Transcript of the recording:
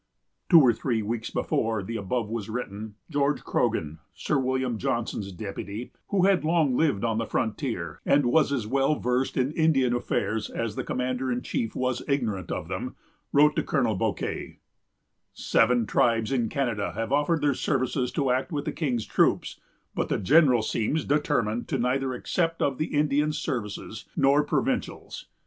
Two or three weeks before the above was written, George Croghan, Sir William Johnson's deputy, who had long lived on the frontier, and was as well versed in Indian affairs as the commander in chief was ignorant of them, wrote to Colonel Bouquet:——"Seven tribes in Canada have offered their services to act with the King's troops; but the General seems determined to neither accept of Indians' services, nor provincials'....